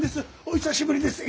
お久しぶりです。